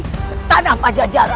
ke tanah pajajara